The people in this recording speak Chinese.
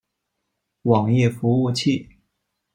网页服务器。